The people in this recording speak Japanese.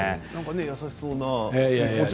優しそうな。